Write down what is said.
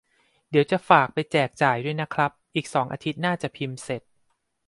เดี๋ยวจะฝากไปแจกจ่ายด้วยนะครับ : อีกสองอาทิตย์น่าจะพิมพ์เสร็จ